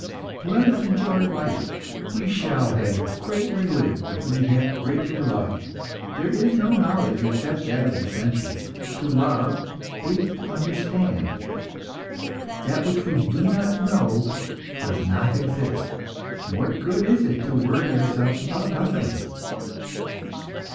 Let us enjoy life; we shall have greatly lived if we have greatly loved. There is no knowledge except that of the senses; to love is to understand. That which we do not know does not exist. What good is it to worry ourselves about nothing?"